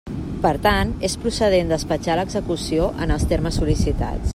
Per tant, és procedent despatxar l'execució en els termes sol·licitats.